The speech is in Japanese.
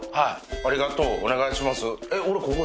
ありがとうお願いします。